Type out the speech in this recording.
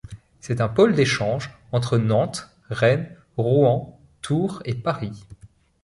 C'est un pôle d'échanges entre Nantes, Rennes, Rouen, Tours et Paris.